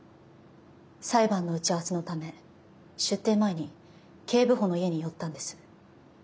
裁判の打ち合わせのため出廷前に警部補の家に寄ったんです。